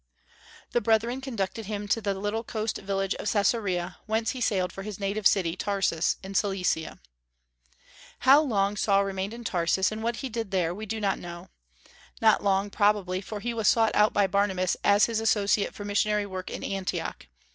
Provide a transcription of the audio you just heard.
The brethren conducted him to the little coast village of Caesarea, whence he sailed for his native city Tarsus, in Cilicia. How long Saul remained in Tarsus, and what he did there, we do not know. Not long, probably, for he was sought out by Barnabas as his associate for missionary work in Antioch.